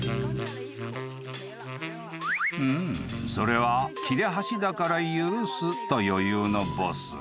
［「うん。それは切れ端だから許す」と余裕のボス］